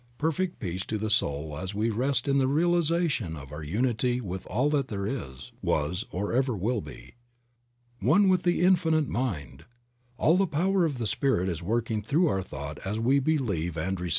Perfect peace to the soul as we rest in the realization of our unity with all that there is, was or ever will be. One with the Infinite Mind. All the power of the Spirit is working through our thought as we believe and receive.